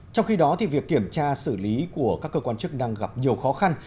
trong khi đó việc kiểm tra xử lý của các cơ quan chức năng gặp nhiều khó khăn